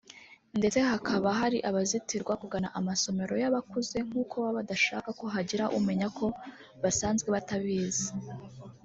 ndetse hakaba hari abazitirwa kugana amasomero y’abakuze n’uko baba badashaka ko hagira umenya ko basanzwe batabizi